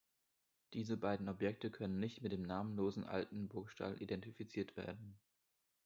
Diese beiden Objekte können nicht mit dem namenlosen alten Burgstall identifiziert werden.